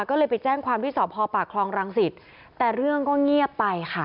ก็เลยไปแจ้งความที่สพปากคลองรังสิตแต่เรื่องก็เงียบไปค่ะ